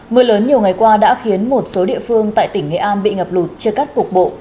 mưa lớn nhiều ngày qua đã khiến một số địa phương tại tỉnh nghệ an bị ngập lụt chưa cắt cục bộ